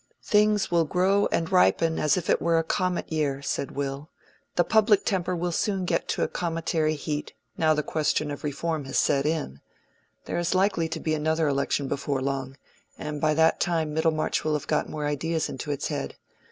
"Things will grow and ripen as if it were a comet year," said Will. "The public temper will soon get to a cometary heat, now the question of Reform has set in. There is likely to be another election before long, and by that time Middlemarch will have got more ideas into its head.